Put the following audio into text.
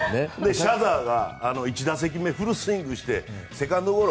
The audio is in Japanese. シャーザーが１打席目フルスイングしてセカンドゴロ。